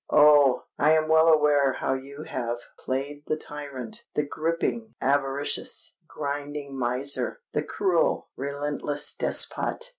Oh! I am well aware how you have played the tyrant—the griping, avaricious, grinding miser—the cruel, relentless despot!